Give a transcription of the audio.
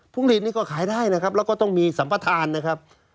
พวงรีดนี้ก็ขายได้นะครับแล้วก็ต้องมีสัมภาษณ์นะครับ